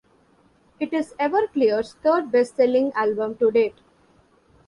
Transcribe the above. It is Everclear's third-best-selling album to date.